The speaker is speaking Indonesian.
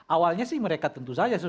awalnya sih mereka tentu saja